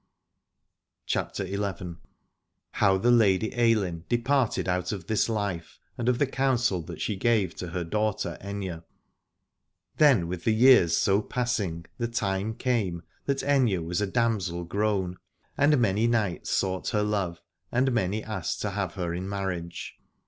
64 CHAPTER XL HOW THE LADY AILINN DEPARTED OUT OF THIS LIFE AND OF THE COUNSEL THAT SHE GAVE TO HER DAUGHTER AITHNE. Then with the years so passing the time came that Aithne was a damsel grown, and many knights sought her love and many asked to have her in marriage.